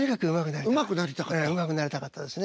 うまくなりたかったですね。